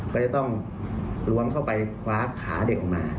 ก็จะต้องล้วงเข้าไปคว้าขาเด็กออกมา